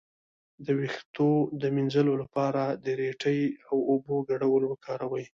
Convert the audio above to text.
د ویښتو د مینځلو لپاره د ریټې او اوبو ګډول وکاروئ